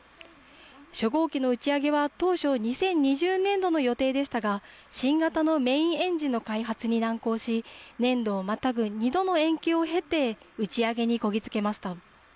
初号機の打ち上げは当初、２０２０年度の予定でしたが新型のメインエンジンの開発に難航し年度をまたぐ２度の延期を経て打ち上げにこぎ着けました。